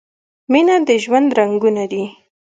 مینه د ژوند رنګونه دي.